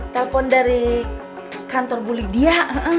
telepon dari kantor bu lydia